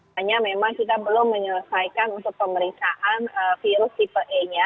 hanya memang kita belum menyelesaikan untuk pemeriksaan virus tipe e nya